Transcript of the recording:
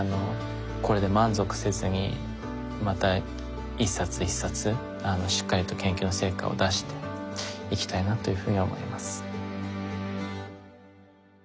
これで満足せずにまた一冊一冊しっかりと研究の成果を出していきたいなというふうに思います。